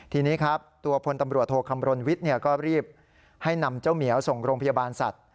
ทีนี้ครับตัวพลตำรวจโทคำรณวิทย์ก็รีบให้นำเจ้าเหมียวส่งโรงพยาบาลสัตว์